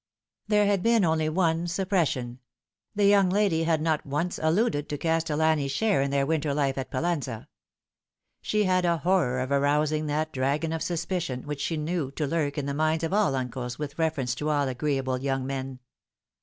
There had been only one suppression. The young lady had not once alluded to Castellani's share in their winter life at Pallanza. She had a horror of arousing that dragon of suspicion which she knew to lurk in the minds of all uncles with reference 258 The Fatal Three. to all agreeable young men.